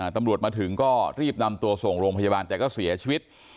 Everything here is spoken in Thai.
ตำรวจมาถึงก็รีบนำตัวส่งโรงพยาบาลแต่ก็เสียชีวิต